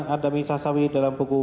adam isasawi dalam buku